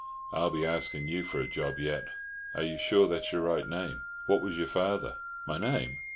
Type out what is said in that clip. "I'll be asking you for a job yet. Are you sure that's your right name? What was your father?" "My name?